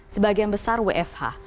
sebagian besar wfh